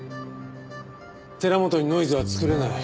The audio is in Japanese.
寺本にノイズは作れない。